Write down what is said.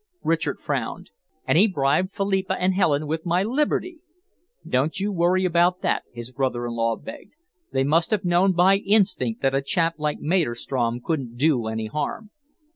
Richard frowned. "And he bribed Philippa and Helen with my liberty!" "Don't you worry about that," his brother in law begged. "They must have known by instinct that a chap like Maderstrom couldn't do any harm."